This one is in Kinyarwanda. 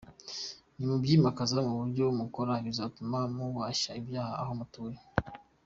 Ni mu byimakaza mu byo mukora bizatuma muhashya ibyaha aho mutuye.